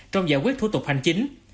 trong giải quyết thủ tục hành chính